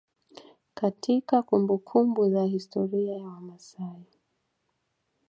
Katika kumbumbuku za historia ya wamasai